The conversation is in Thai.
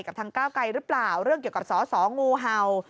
กับทางก้าวไกลหรือเปล่าเรื่องเกี่ยวกับสอสองูเห่า